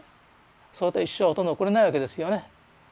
そういった一生をほとんど送れないわけですよね。